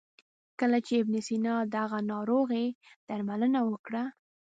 کله چې ابن سینا د هغه ناروغي درملنه وکړه.